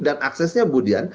dan aksesnya budian